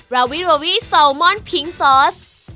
ราวิราวิซอลมอนพิ้งซอส